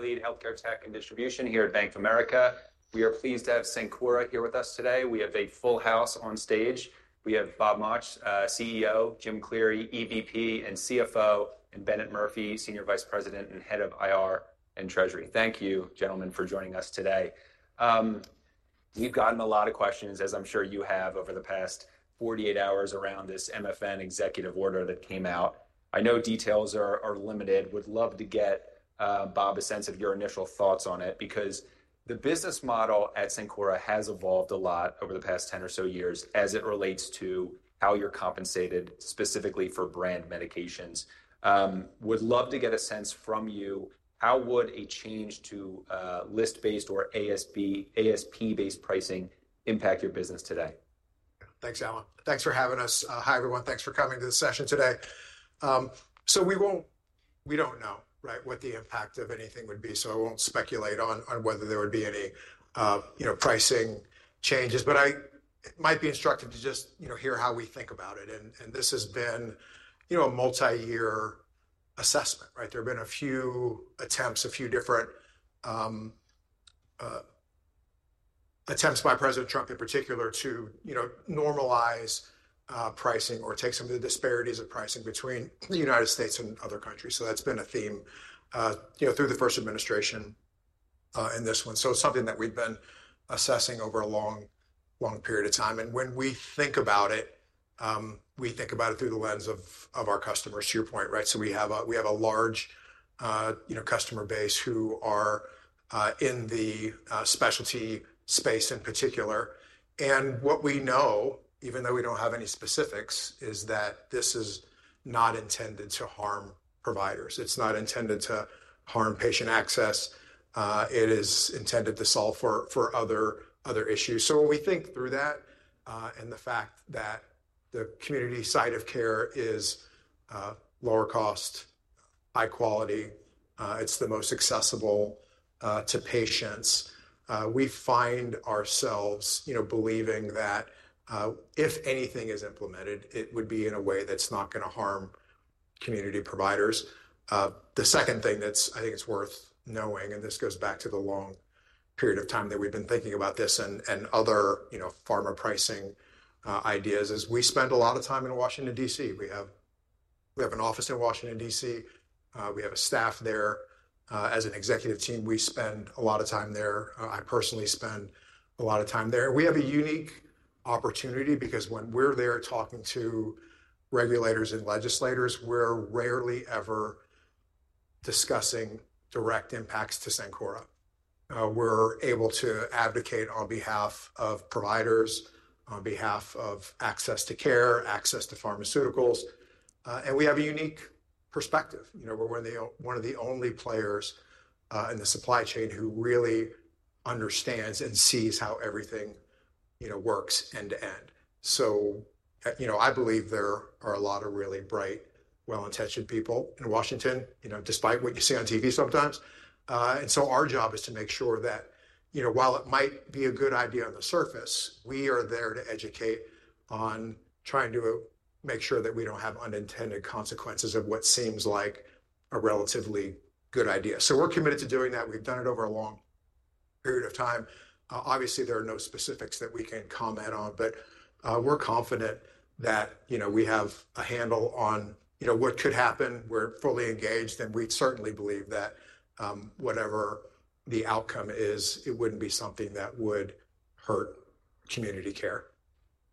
Lead Healthcare Tech and Distribution here at Bank of America. We are pleased to have Cencora here with us today. We have a full house on stage. We have Bob Mauch, CEO, Jim Cleary, EVP and CFO, and Bennett Murphy, Senior Vice President and Head of IR and Treasury. Thank you, gentlemen, for joining us today. We've gotten a lot of questions, as I'm sure you have, over the past 48 hours around this MFN executive order that came out. I know details are limited. Would love to get Bob a sense of your initial thoughts on it, because the business model at Cencora has evolved a lot over the past 10 or so years as it relates to how you're compensated, specifically for brand medications. Would love to get a sense from you, how would a change to list-based or ASP-based pricing impact your business today? Thanks, Allen. Thanks for having us. Hi, everyone. Thanks for coming to the session today. We do not know what the impact of anything would be, so I will not speculate on whether there would be any pricing changes. It might be instructive to just hear how we think about it. This has been a multi-year assessment. There have been a few attempts, a few different attempts by President Trump, in particular, to normalize pricing or take some of the disparities of pricing between the United States and other countries. That has been a theme through the first administration and this one. It is something that we have been assessing over a long, long period of time. When we think about it, we think about it through the lens of our customers, to your point. We have a large customer base who are in the specialty space in particular. What we know, even though we do not have any specifics, is that this is not intended to harm providers. It is not intended to harm patient access. It is intended to solve for other issues. When we think through that and the fact that the community side of care is lower cost, high quality, it is the most accessible to patients, we find ourselves believing that if anything is implemented, it would be in a way that is not going to harm community providers. The second thing that I think is worth knowing, and this goes back to the long period of time that we have been thinking about this and other pharma pricing ideas, is we spend a lot of time in Washington, DC. We have an office in Washington, DC. We have a staff there. As an executive team, we spend a lot of time there. I personally spend a lot of time there. We have a unique opportunity because when we're there talking to regulators and legislators, we're rarely ever discussing direct impacts to Cencora. We're able to advocate on behalf of providers, on behalf of access to care, access to pharmaceuticals. We have a unique perspective. We're one of the only players in the supply chain who really understands and sees how everything works end to end. I believe there are a lot of really bright, well-intentioned people in Washington, despite what you see on TV sometimes. Our job is to make sure that while it might be a good idea on the surface, we are there to educate on trying to make sure that we don't have unintended consequences of what seems like a relatively good idea. We're committed to doing that. We've done it over a long period of time. Obviously, there are no specifics that we can comment on, but we're confident that we have a handle on what could happen. We're fully engaged, and we certainly believe that whatever the outcome is, it wouldn't be something that would hurt community care.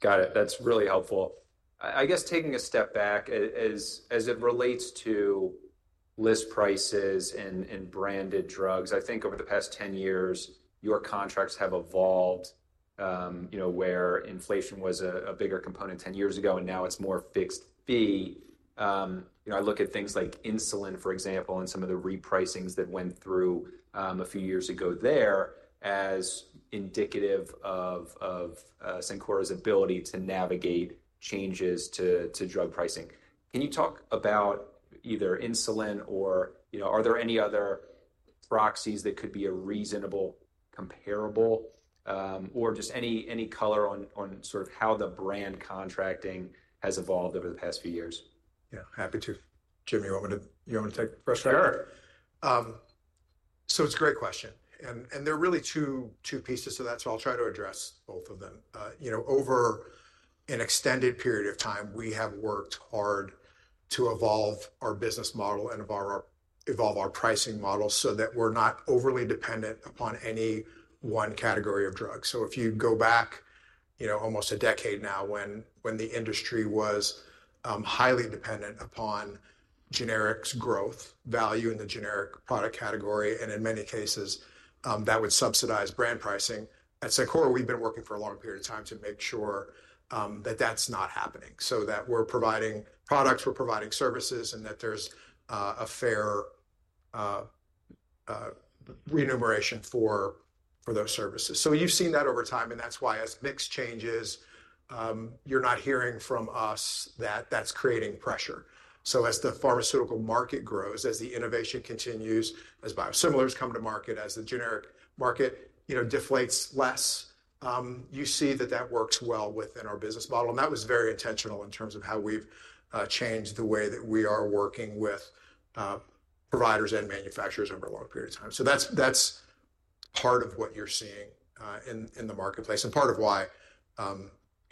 Got it. That's really helpful. I guess taking a step back, as it relates to list prices and branded drugs, I think over the past 10 years, your contracts have evolved where inflation was a bigger component 10 years ago, and now it's more fixed fee. I look at things like insulin, for example, and some of the repricings that went through a few years ago there as indicative of Cencora's ability to navigate changes to drug pricing. Can you talk about either insulin or are there any other proxies that could be a reasonable comparable or just any color on sort of how the brand contracting has evolved over the past few years? Yeah, happy to. Jimmy, you want me to take the first round? Sure. It's a great question. There are really two pieces, so that's why I'll try to address both of them. Over an extended period of time, we have worked hard to evolve our business model and evolve our pricing model so that we're not overly dependent upon any one category of drugs. If you go back almost a decade now when the industry was highly dependent upon generics growth, value in the generic product category, and in many cases, that would subsidize brand pricing, at Cencora, we've been working for a long period of time to make sure that that's not happening, so that we're providing products, we're providing services, and that there's a fair remuneration for those services. You've seen that over time, and that's why as mix changes, you're not hearing from us that that's creating pressure. As the pharmaceutical market grows, as the innovation continues, as biosimilars come to market, as the generic market deflates less, you see that that works well within our business model. That was very intentional in terms of how we've changed the way that we are working with providers and manufacturers over a long period of time. That is part of what you're seeing in the marketplace and part of why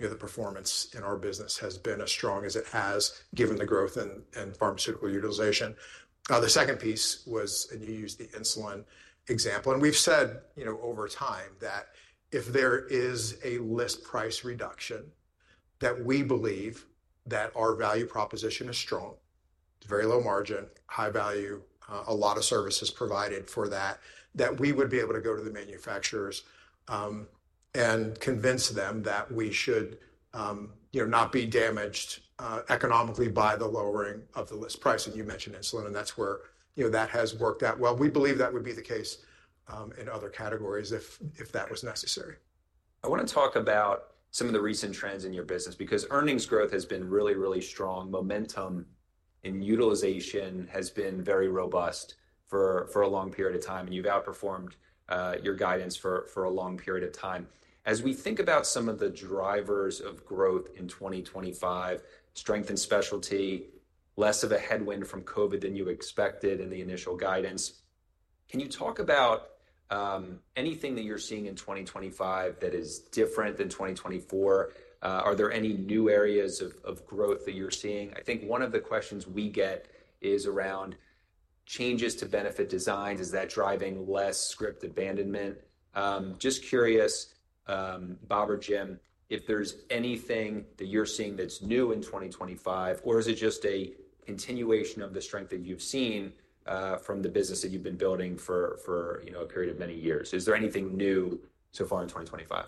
the performance in our business has been as strong as it has given the growth in pharmaceutical utilization. The second piece was, and you used the insulin example, and we've said over time that if there is a list price reduction that we believe that our value proposition is strong, it's very low margin, high-value, a lot of services provided for that, that we would be able to go to the manufacturers and convince them that we should not be damaged economically by the lowering of the list price. You mentioned insulin, and that's where that has worked out well. We believe that would be the case in other categories if that was necessary. I want to talk about some of the recent trends in your business because earnings growth has been really, really strong. Momentum in utilization has been very robust for a long period of time, and you've outperformed your guidance for a long period of time. As we think about some of the drivers of growth in 2025, strength in specialty, less of a headwind from COVID than you expected in the initial guidance, can you talk about anything that you're seeing in 2025 that is different than 2024? Are there any new areas of growth that you're seeing? I think one of the questions we get is around changes to benefit designs. Is that driving less script abandonment? Just curious, Bob or Jim, if there's anything that you're seeing that's new in 2025, or is it just a continuation of the strength that you've seen from the business that you've been building for a period of many years? Is there anything new so far in 2025?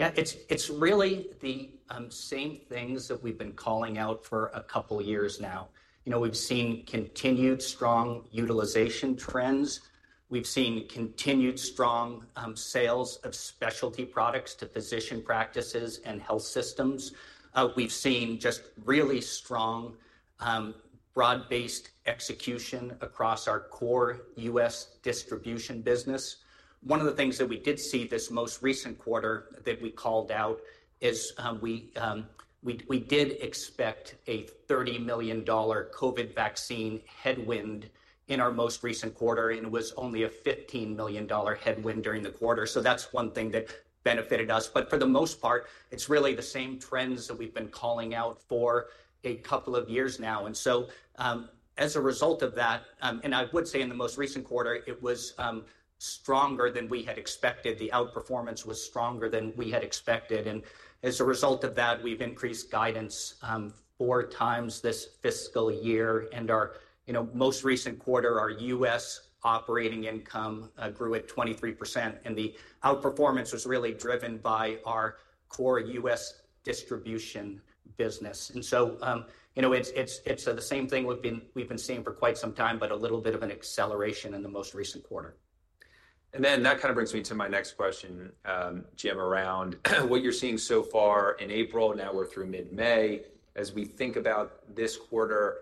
Yeah, it's really the same things that we've been calling out for a couple of years now. We've seen continued strong utilization trends. We've seen continued strong sales of specialty products to physician practices and health systems. We've seen just really strong broad-based execution across our core U.S. distribution business. One of the things that we did see this most recent quarter that we called out is we did expect a $30 million COVID vaccine headwind in our most recent quarter, and it was only a $15 million headwind during the quarter. That is one thing that benefited us. For the most part, it's really the same trends that we've been calling out for a couple of years now. As a result of that, and I would say in the most recent quarter, it was stronger than we had expected. The outperformance was stronger than we had expected. As a result of that, we've increased guidance four times this fiscal year. In our most recent quarter, our U.S. operating income grew at 23%, and the outperformance was really driven by our core U.S. distribution business. It is the same thing we've been seeing for quite some time, but a little bit of an acceleration in the most recent quarter. That kind of brings me to my next question, Jim, around what you're seeing so far in April. Now we're through mid-May. As we think about this quarter,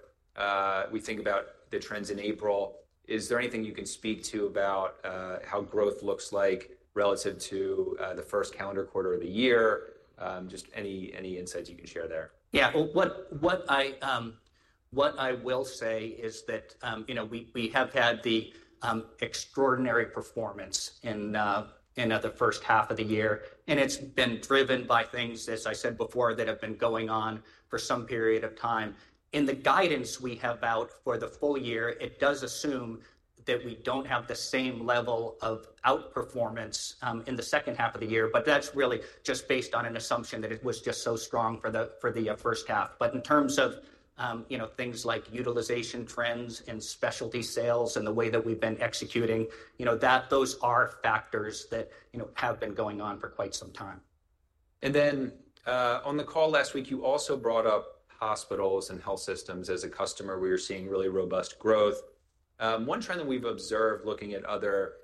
we think about the trends in April, is there anything you can speak to about how growth looks like relative to the first calendar quarter of the year? Just any insights you can share there. Yeah, what I will say is that we have had the extraordinary performance in the first half of the year, and it's been driven by things, as I said before, that have been going on for some period of time. In the guidance we have out for the full year, it does assume that we don't have the same level of outperformance in the second half of the year, but that's really just based on an assumption that it was just so strong for the first half. In terms of things like utilization trends and specialty sales and the way that we've been executing, those are factors that have been going on for quite some time. On the call last week, you also brought up hospitals and health systems. As a customer, we are seeing really robust growth. One trend that we've observed looking at other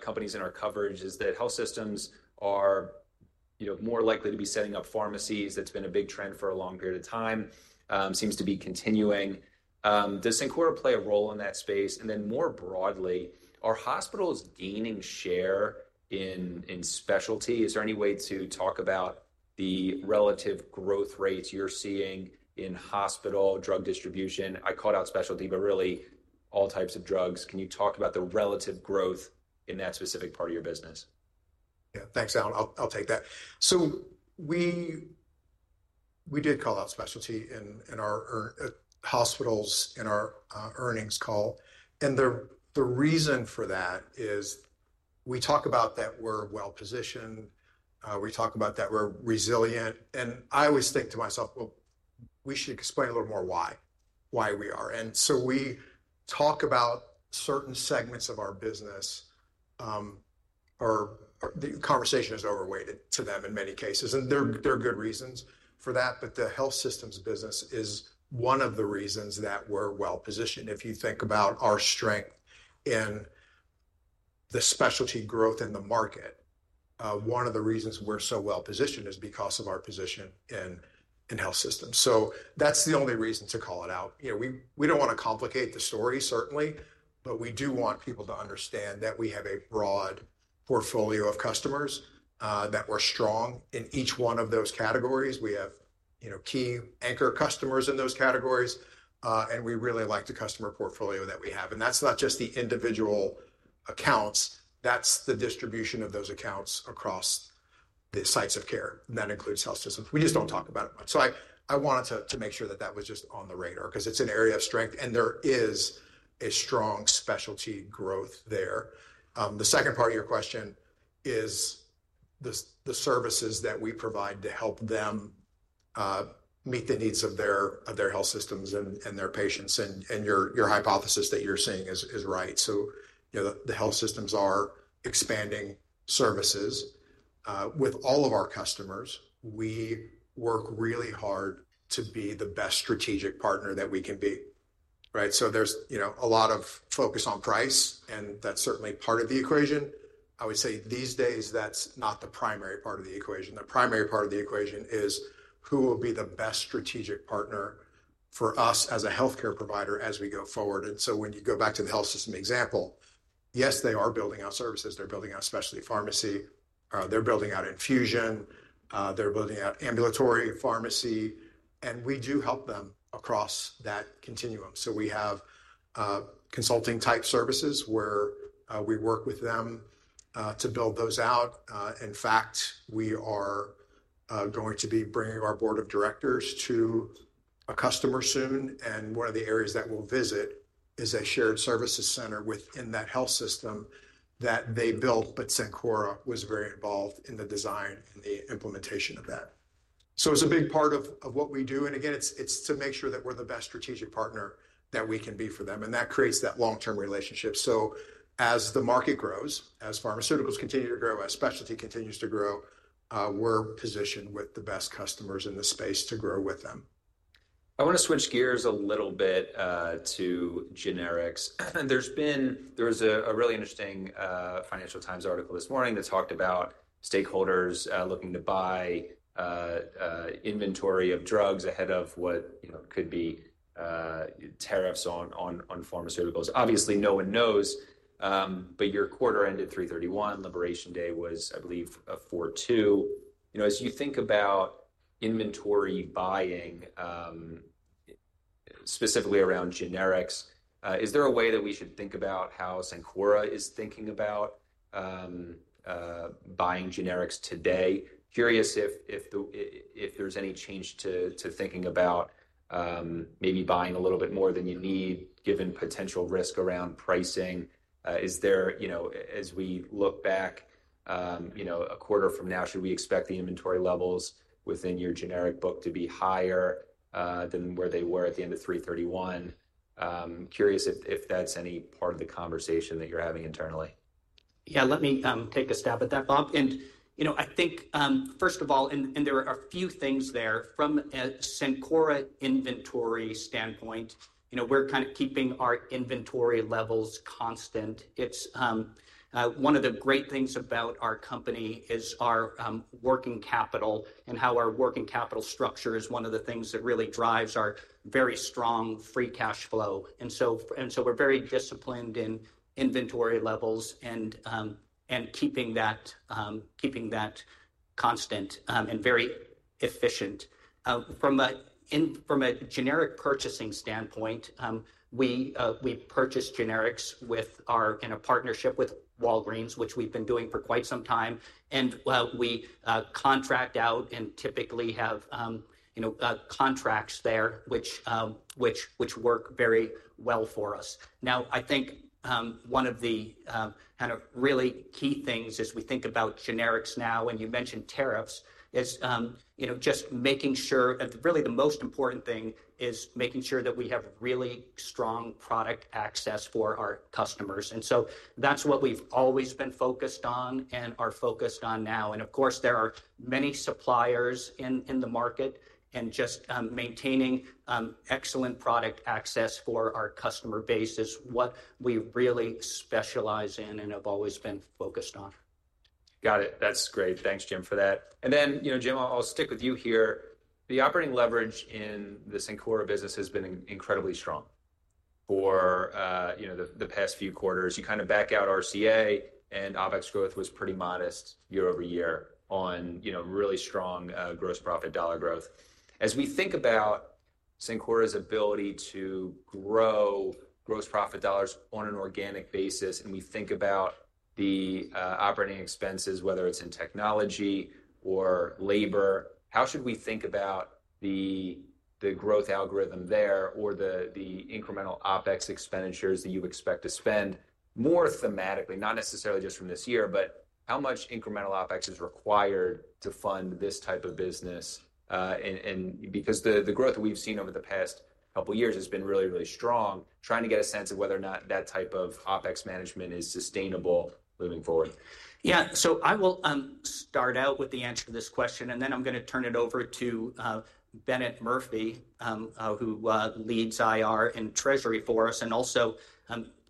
companies in our coverage is that health systems are more likely to be setting up pharmacies. That's been a big trend for a long period of time. It seems to be continuing. Does Cencora play a role in that space? More broadly, are hospitals gaining share in specialty? Is there any way to talk about the relative growth rates you're seeing in hospital drug distribution? I called out specialty, but really all types of drugs. Can you talk about the relative growth in that specific part of your business? Yeah, thanks, Alan. I'll take that. We did call out specialty in our hospitals in our earnings call. The reason for that is we talk about that we're well-positioned. We talk about that we're resilient. I always think to myself, we should explain a little more why we are. We talk about certain segments of our business. The conversation is overweighted to them in many cases, and there are good reasons for that. The health systems business is one of the reasons that we're well-positioned. If you think about our strength in the specialty growth in the market, one of the reasons we're so well-positioned is because of our position in health systems. That's the only reason to call it out. We don't want to complicate the story, certainly, but we do want people to understand that we have a broad portfolio of customers, that we're strong in each one of those categories. We have key anchor customers in those categories, and we really like the customer portfolio that we have. That's not just the individual accounts. That's the distribution of those accounts across the sites of care. That includes health systems. We just don't talk about it much. I wanted to make sure that that was just on the radar because it's an area of strength, and there is a strong specialty growth there. The second part of your question is the services that we provide to help them meet the needs of their health systems and their patients. Your hypothesis that you're seeing is right. The health systems are expanding services. With all of our customers, we work really hard to be the best strategic partner that we can be. There is a lot of focus on price, and that is certainly part of the equation. I would say these days, that is not the primary part of the equation. The primary part of the equation is who will be the best strategic partner for us as a healthcare provider as we go forward. When you go back to the health system example, yes, they are building out services. They are building out specialty pharmacy. They are building out infusion. They are building out ambulatory pharmacy. We do help them across that continuum. We have consulting-type services where we work with them to build those out. In fact, we are going to be bringing our board of directors to a customer soon. One of the areas that we'll visit is a shared services center within that health system that they built, but Cencora was very involved in the design and the implementation of that. It is a big part of what we do. Again, it is to make sure that we're the best strategic partner that we can be for them. That creates that long-term relationship. As the market grows, as pharmaceuticals continue to grow, as specialty continues to grow, we're positioned with the best customers in the space to grow with them. I want to switch gears a little bit to generics. There was a really interesting Financial Times article this morning that talked about stakeholders looking to buy inventory of drugs ahead of what could be tariffs on pharmaceuticals. Obviously, no one knows, but your quarter ended 3/31. Liberation Day was, I believe, 4/2. As you think about inventory buying, specifically around generics, is there a way that we should think about how Cencora is thinking about buying generics today? Curious if there's any change to thinking about maybe buying a little bit more than you need given potential risk around pricing. As we look back a quarter from now, should we expect the inventory levels within your generic book to be higher than where they were at the end of 3/31? Curious if that's any part of the conversation that you're having internally. Yeah, let me take a stab at that, Bob. I think, first of all, there are a few things there from a Cencora inventory standpoint. We're kind of keeping our inventory levels constant. One of the great things about our company is our working capital and how our working capital structure is one of the things that really drives our very strong free cash flow. We're very disciplined in inventory levels and keeping that constant and very efficient. From a generic purchasing standpoint, we purchase generics in a partnership with Walgreens, which we've been doing for quite some time. We contract out and typically have contracts there which work very well for us. Now, I think one of the kind of really key things as we think about generics now, and you mentioned tariffs, is just making sure really the most important thing is making sure that we have really strong product access for our customers. That is what we have always been focused on and are focused on now. Of course, there are many suppliers in the market, and just maintaining excellent product access for our customer base is what we really specialize in and have always been focused on. Got it. That's great. Thanks, Jim, for that. Jim, I'll stick with you here. The operating leverage in the Cencora business has been incredibly strong for the past few quarters. You kind of back out RCA, and OpEx growth was pretty modest year over year on really strong gross profit dollar growth. As we think about Cencora's ability to grow gross profit dollars on an organic basis, and we think about the operating expenses, whether it's in technology or labor, how should we think about the growth algorithm there or the incremental OpEx expenditures that you expect to spend more thematically, not necessarily just from this year, but how much incremental OpEx is required to fund this type of business? Because the growth that we've seen over the past couple of years has been really, really strong, trying to get a sense of whether or not that type of OpEx management is sustainable moving forward. Yeah, so I will start out with the answer to this question, and then I'm going to turn it over to Bennett Murphy, who leads IR and Treasury for us and also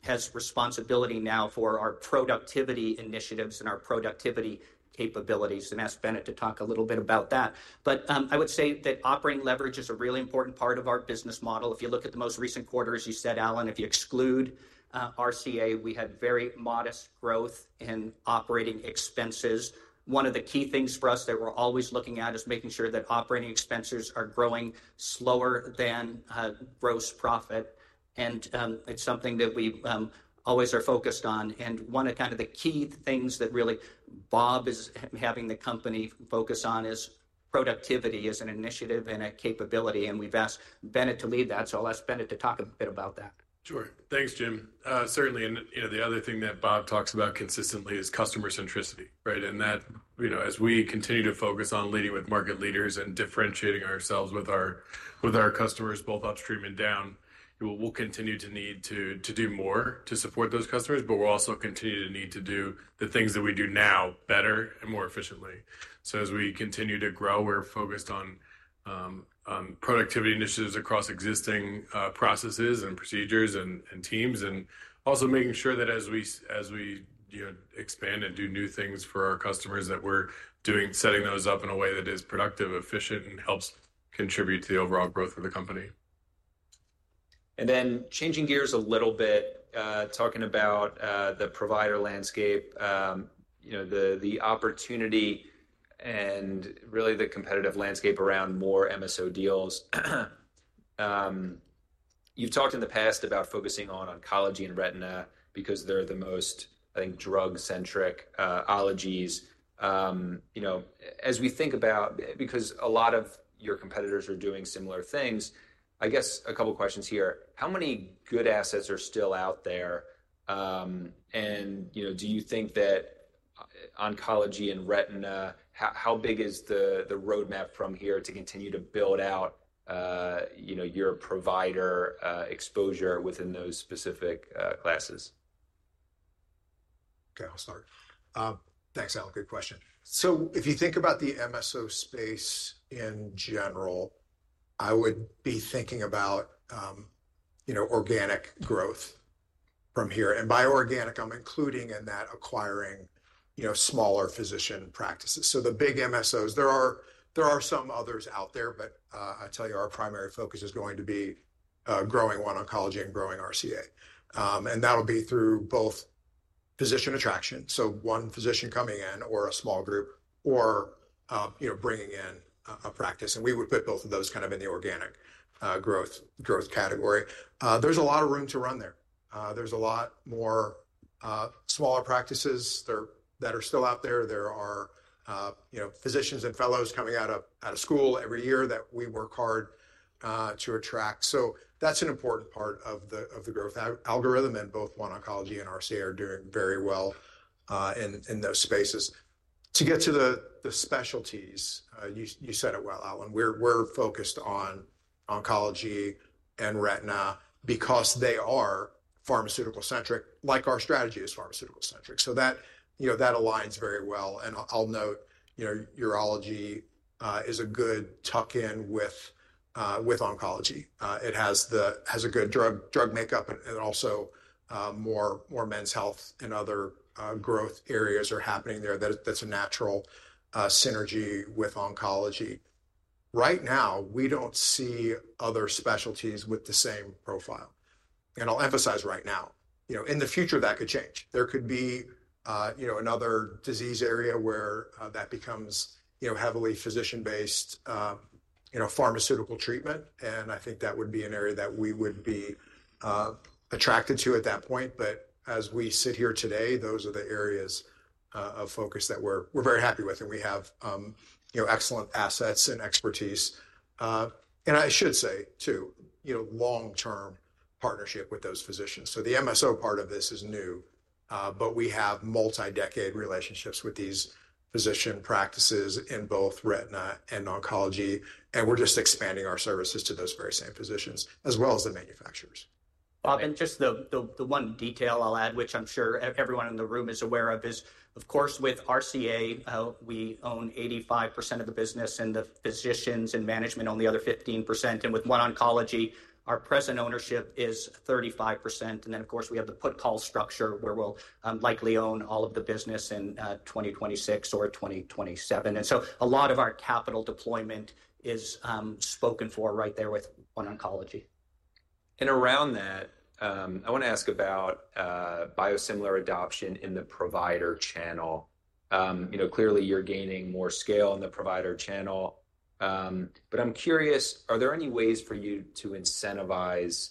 has responsibility now for our productivity initiatives and our productivity capabilities. I ask Bennett to talk a little bit about that. I would say that operating leverage is a really important part of our business model. If you look at the most recent quarters, you said, Allen, if you exclude RCA, we had very modest growth in operating expenses. One of the key things for us that we're always looking at is making sure that operating expenses are growing slower than gross profit. It is something that we always are focused on. One of the key things that really Bob is having the company focus on is productivity as an initiative and a capability. We have asked Bennett to lead that, so I will ask Bennett to talk a bit about that. Sure. Thanks, Jim. Certainly, the other thing that Bob talks about consistently is customer centricity. As we continue to focus on leading with market leaders and differentiating ourselves with our customers both upstream and down, we'll continue to need to do more to support those customers, but we'll also continue to need to do the things that we do now better and more efficiently. As we continue to grow, we're focused on productivity initiatives across existing processes and procedures and teams, and also making sure that as we expand and do new things for our customers, that we're setting those up in a way that is productive, efficient, and helps contribute to the overall growth of the company. Changing gears a little bit, talking about the provider landscape, the opportunity and really the competitive landscape around more MSO deals. You've talked in the past about focusing on oncology and retina because they're the most, I think, drug-centric ologies. As we think about, because a lot of your competitors are doing similar things, I guess a couple of questions here. How many good assets are still out there? Do you think that oncology and retina, how big is the roadmap from here to continue to build out your provider exposure within those specific classes? Okay, I'll start. Thanks, Alan. Good question. If you think about the MSO space in general, I would be thinking about organic growth from here. By organic, I'm including in that acquiring smaller physician practices. The big MSOs, there are some others out there, but I'll tell you our primary focus is going to be growing OneOncology and growing RCA. That'll be through both physician attraction, so one physician coming in or a small group or bringing in a practice. We would put both of those kind of in the organic growth category. There's a lot of room to run there. There's a lot more smaller practices that are still out there. There are physicians and fellows coming out of school every year that we work hard to attract. That's an important part of the growth algorithm. Both OneOncology and RCA are doing very well in those spaces. To get to the specialties, you said it well, Allen. We're focused on oncology and retina because they are pharmaceutical-centric, like our strategy is pharmaceutical-centric. That aligns very well. I'll note urology is a good tuck-in with oncology. It has a good drug makeup, and also more men's health and other growth areas are happening there. That's a natural synergy with oncology. Right now, we do not see other specialties with the same profile. I'll emphasize right now, in the future, that could change. There could be another disease area where that becomes heavily physician-based pharmaceutical treatment. I think that would be an area that we would be attracted to at that point. As we sit here today, those are the areas of focus that we're very happy with. We have excellent assets and expertise. I should say too, long-term partnership with those physicians. The MSO part of this is new, but we have multi-decade relationships with these physician practices in both retina and oncology. We are just expanding our services to those very same physicians as well as the manufacturers. Bob, and just the one detail I'll add, which I'm sure everyone in the room is aware of, is of course, with RCA, we own 85% of the business, and the physicians and management own the other 15%. With OneOncology, our present ownership is 35%. Of course, we have the put-call structure where we'll likely own all of the business in 2026 or 2027. A lot of our capital deployment is spoken for right there with OneOncology. Around that, I want to ask about biosimilar adoption in the provider channel. Clearly, you're gaining more scale in the provider channel. I'm curious, are there any ways for you to incentivize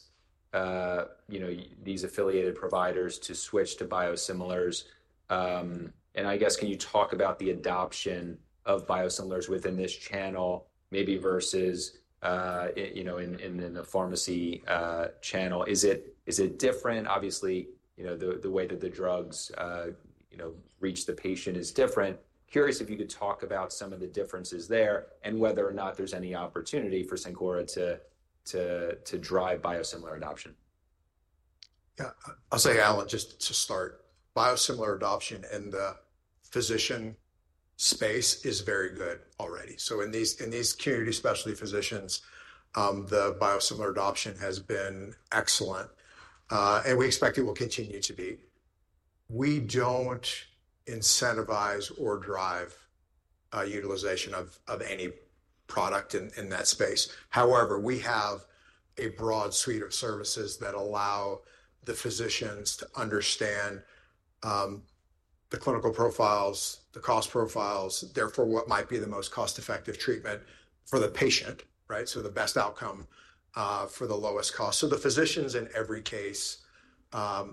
these affiliated providers to switch to biosimilars? I guess, can you talk about the adoption of biosimilars within this channel, maybe versus in the pharmacy channel? Is it different? Obviously, the way that the drugs reach the patient is different. Curious if you could talk about some of the differences there and whether or not there's any opportunity for Cencora to drive biosimilar adoption. Yeah, I'll say, Alan, just to start, biosimilar adoption in the physician space is very good already. In these community specialty physicians, the biosimilar adoption has been excellent. We expect it will continue to be. We do not incentivize or drive utilization of any product in that space. However, we have a broad suite of services that allow the physicians to understand the clinical profiles, the cost profiles, therefore what might be the most cost-effective treatment for the patient, the best outcome for the lowest cost. The physicians in every case are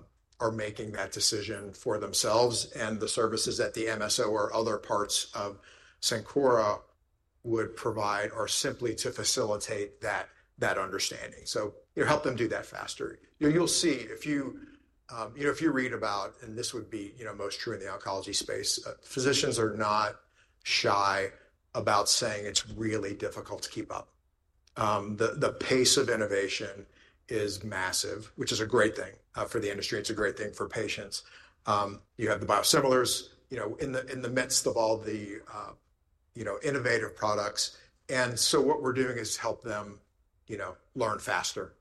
making that decision for themselves. The services that the MSO or other parts of Cencora would provide are simply to facilitate that understanding. Help them do that faster. You'll see if you read about, and this would be most true in the oncology space, physicians are not shy about saying it's really difficult to keep up. The pace of innovation is massive, which is a great thing for the industry. It's a great thing for patients. You have the biosimilars in the midst of all the innovative products. What we're doing is help them learn faster.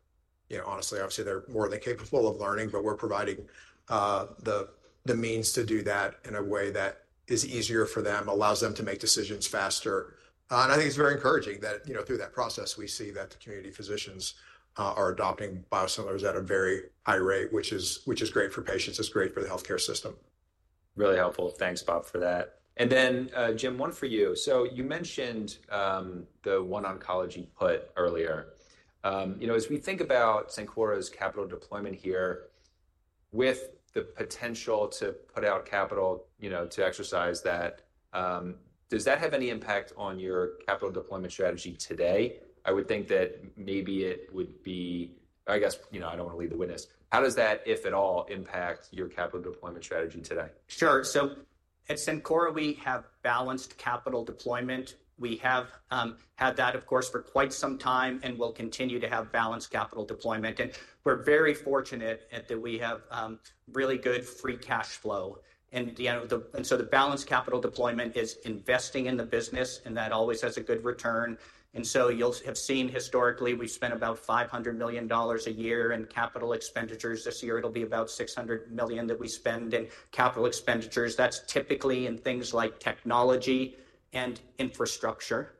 Honestly, obviously, they're more than capable of learning, but we're providing the means to do that in a way that is easier for them, allows them to make decisions faster. I think it's very encouraging that through that process, we see that the community physicians are adopting biosimilars at a very high rate, which is great for patients. It's great for the healthcare system. Really helpful. Thanks, Bob, for that. Jim, one for you. You mentioned the OneOncology put earlier. As we think about Cencora's capital deployment here with the potential to put out capital to exercise that, does that have any impact on your capital deployment strategy today? I would think that maybe it would be, I guess, I do not want to lead the witness. How does that, if at all, impact your capital deployment strategy today? Sure. At Cencora, we have balanced capital deployment. We have had that, of course, for quite some time and will continue to have balanced capital deployment. We are very fortunate that we have really good free cash flow. The balanced capital deployment is investing in the business, and that always has a good return. You will have seen historically, we spend about $500 million a year in capital expenditures. This year, it will be about $600 million that we spend in capital expenditures. That is typically in things like technology and infrastructure.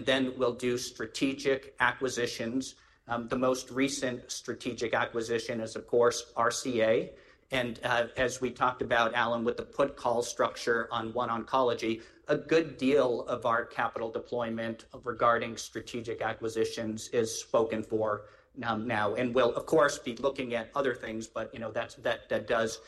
We will do strategic acquisitions. The most recent strategic acquisition is, of course, RCA. As we talked about, Allen, with the put-call structure on OneOncology, a good deal of our capital deployment regarding strategic acquisitions is spoken for now. We will, of course, be looking at other things, but that does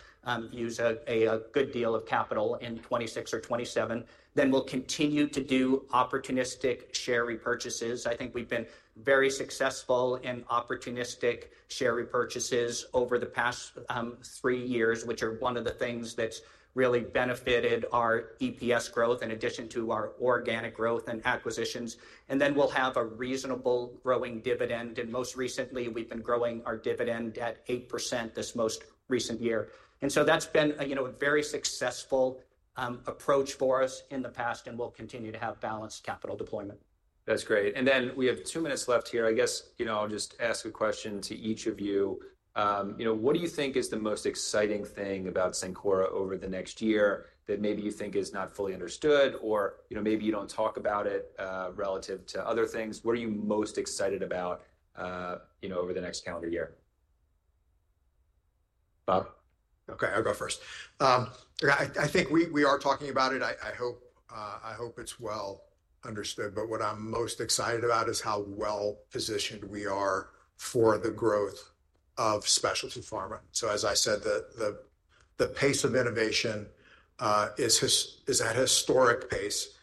use a good deal of capital in 2026 or 2027. We will continue to do opportunistic share repurchases. I think we have been very successful in opportunistic share repurchases over the past three years, which are one of the things that has really benefited our EPS growth in addition to our organic growth and acquisitions. We will have a reasonable growing dividend. Most recently, we have been growing our dividend at 8% this most recent year. That has been a very successful approach for us in the past, and we will continue to have balanced capital deployment. That's great. We have two minutes left here. I guess I'll just ask a question to each of you. What do you think is the most exciting thing about Cencora over the next year that maybe you think is not fully understood or maybe you don't talk about it relative to other things? What are you most excited about over the next calendar year? Bob? Okay, I'll go first. I think we are talking about it. I hope it's well understood. What I'm most excited about is how well positioned we are for the growth of specialty pharma. As I said, the pace of innovation is at historic pace.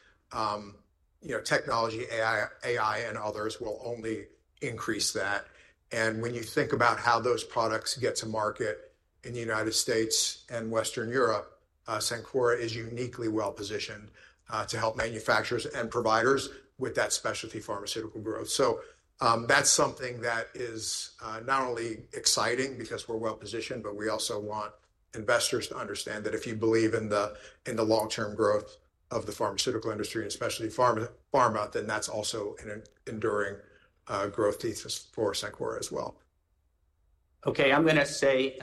Technology, AI, and others will only increase that. When you think about how those products get to market in the United States and Western Europe, Cencora is uniquely well positioned to help manufacturers and providers with that specialty pharmaceutical growth. That is something that is not only exciting because we're well-positioned, but we also want investors to understand that if you believe in the long-term growth of the pharmaceutical industry and specialty pharma, then that's also an enduring growth thesis for Cencora as well. Okay, I'm going to say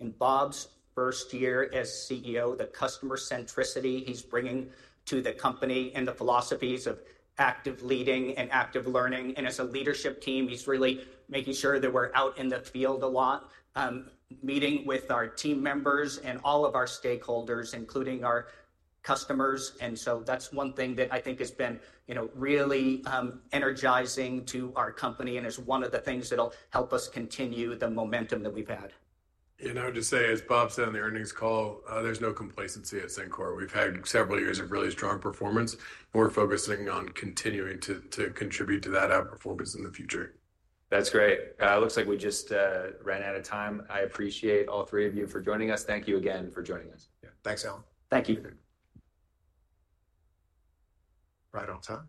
in Bob's first year as CEO, the customer centricity he's bringing to the company and the philosophies of active leading and active learning. As a leadership team, he's really making sure that we're out in the field a lot, meeting with our team members and all of our stakeholders, including our customers. That is one thing that I think has been really energizing to our company and is one of the things that'll help us continue the momentum that we've had. I would just say, as Bob said on the earnings call, there's no complacency at Cencora. We've had several years of really strong performance. We're focusing on continuing to contribute to that outperformance in the future. That's great. It looks like we just ran out of time. I appreciate all three of you for joining us. Thank you again for joining us. Yeah, thanks, Allen. Thank you. Right on time.